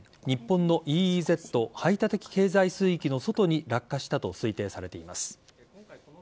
日本のＥＥＺ＝排他的経済水域の外に落下したと推定されています。